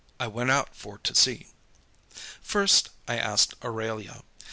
I went out for to see. First, I asked Aurelia.